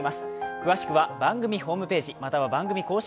詳しくは番組ホームページ、または番組公式